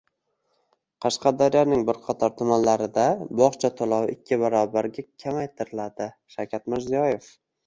Qashqadaryoning bir qator tumanlarida bog‘cha to‘loviikkibarobarga kamaytiriladi – Shavkat Mirziyoyev